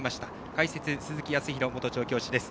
解説は鈴木康弘元調教師です。